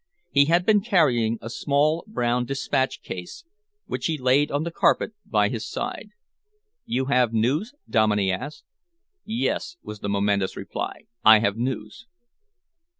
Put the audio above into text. He had been carrying a small, brown despatch case, which he laid on the carpet by his side. "You have news?" Dominey asked. "Yes," was the momentous reply, "I have news."